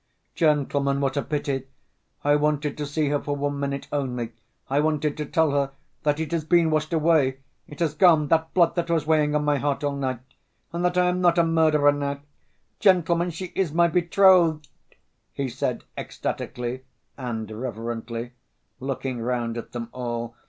"Gentlemen, what a pity! I wanted to see her for one minute only; I wanted to tell her that it has been washed away, it has gone, that blood that was weighing on my heart all night, and that I am not a murderer now! Gentlemen, she is my betrothed!" he said ecstatically and reverently, looking round at them all.